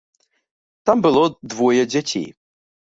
Там было двое дзяцей.